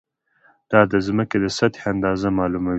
دا د ځمکې د سطحې اندازه معلوموي.